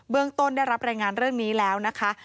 เรื่องต้นได้รับรายงานเรื่องนี้แล้วนะคะ